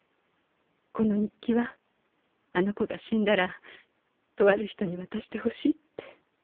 この日記はあの子が死んだらとある人に渡してほしいって。